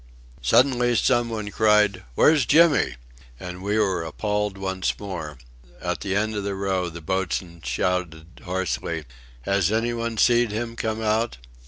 Suddenly some one cried: "Where's Jimmy?" and we were appalled once more. On the end of the row the boatswain shouted hoarsely: "Has any one seed him come out?"